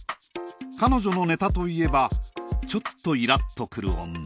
彼女のネタといえばちょっとイラっとくる女。